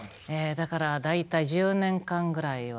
だから大体１０年間ぐらいは。